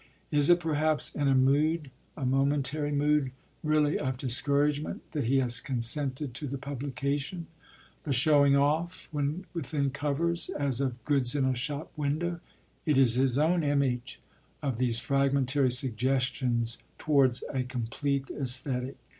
Is it, perhaps, in a mood, a momentary mood, really of discouragement, that he has consented to the publication the 'showing off,' within covers, as of goods in a shop window: it is his own image of these fragmentary suggestions towards a complete Æsthetic?